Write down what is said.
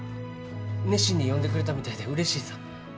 熱心に読んでくれたみたいでうれしいさ。